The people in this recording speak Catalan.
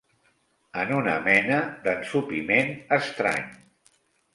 En una mena d'ensopiment estrany.